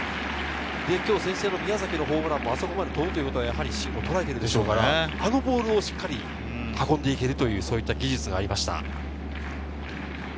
今日、先制の宮崎のホームランも、あそこまで飛ぶことは芯をとらえているでしょうから、あのボールを運んでいけるという技術がありました。